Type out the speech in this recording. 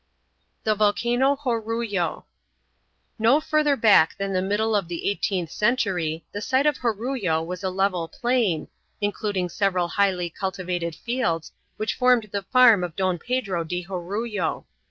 THE VOLCANO JORULLO No further back than the middle of the eighteenth century the site of Jorullo was a level plain, including several highly cultivated fields, which formed the farm of Don Pedro di Jorullo.